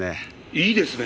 いいですね？